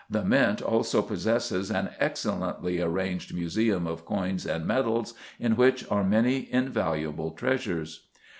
The Mint also possesses an excellently arranged museum of coins and medals, in which are many invaluable treasures.